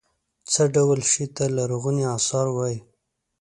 څه ډول شي ته لرغوني اثار وايي.